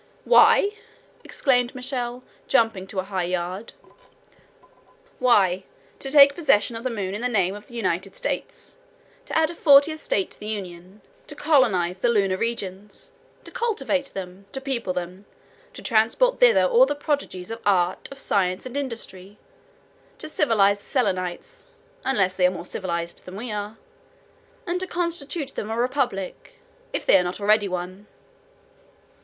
"Why?" exclaimed Michel, jumping a yard high, "why? To take possession of the moon in the name of the United States; to add a fortieth State to the Union; to colonize the lunar regions; to cultivate them, to people them, to transport thither all the prodigies of art, of science, and industry; to civilize the Selenites, unless they are more civilized than we are; and to constitute them a republic, if they are not already one!"